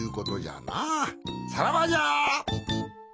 さらばじゃ！